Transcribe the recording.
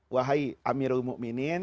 wahai amirul mu'minin